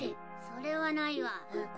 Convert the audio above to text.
それはないわ。